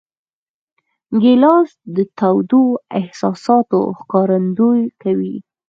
ګیلاس د تودو احساساتو ښکارندویي کوي.